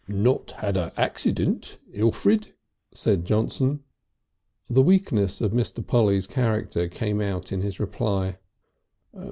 "Not had an accident, Elfrid?" said Johnson. The weakness of Mr. Polly's character came out in his reply.